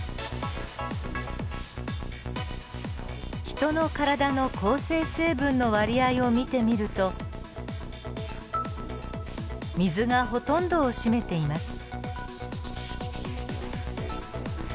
ヒトの体の構成成分の割合を見てみると水がほとんどを占めています。